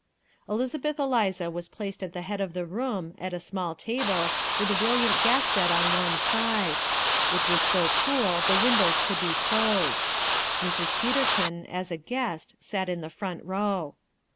Elizabeth Eliza was placed at the head of the room, at a small table, with a brilliant gas jet on one side. It was so cool the windows could be closed. Mrs. Peterkin, as a guest, sat in the front row.